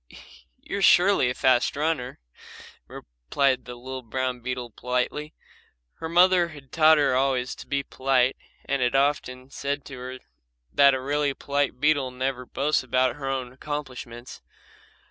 "You are surely a fast runner," replied the little brown beetle politely. Her mother had taught her always to be polite and had often said to her that a really polite beetle never boasts about her own accomplishments.